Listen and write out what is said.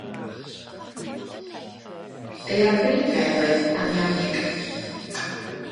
Ei arbenigedd oedd anianeg.